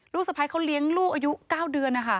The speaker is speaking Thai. ลูกสะพ้ายเขาเลี้ยงลูกอายุ๙เดือน